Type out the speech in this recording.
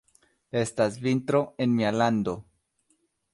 Estas vintro en mia lando.